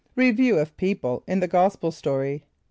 Review of People in the Gospel Story.